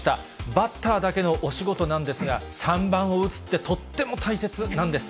バッターだけのお仕事なんですが、３番を打つってとっても大切なんです。